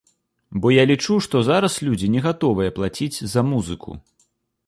Бо я лічу, што зараз людзі не гатовыя плаціць за музыку.